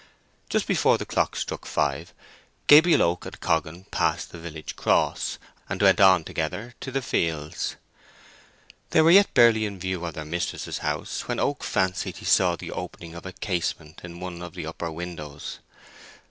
Just before the clock struck five Gabriel Oak and Coggan passed the village cross, and went on together to the fields. They were yet barely in view of their mistress's house, when Oak fancied he saw the opening of a casement in one of the upper windows.